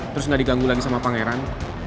terus nggak diganggu lagi sama pangeran